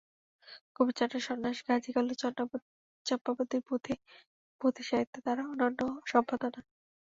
গুপিচন্দ্রের সন্ন্যাস, গাজী কালু চম্পাবতীর পুঁথি পুঁথি সাহিত্যে তাঁর অনন্য সম্পাদনা।